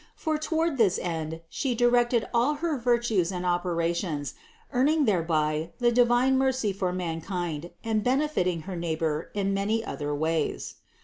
For toward this end She directed all her virtues and operations, earning thereby the divine mercy for mankind and benefiting her neighbor in many other ways.